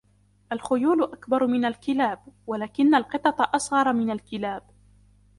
الخيول أكبر من الكلاب ، ولكن القطط أصغر من الكلاب.